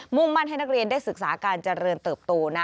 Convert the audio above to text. ่งมั่นให้นักเรียนได้ศึกษาการเจริญเติบโต